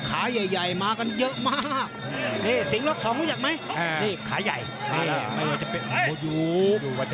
ขาใหญ่มากันเยอะมาก